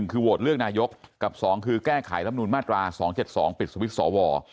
๑คือโหวตเลือกนายกกับ๒คือแก้ไขรัฐธรรมนูญมาตรา๒๗๒ปิดสวิทย์สวว